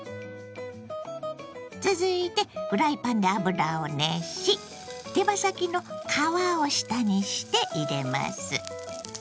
続いてフライパンで油を熱し手羽先の皮を下にして入れます。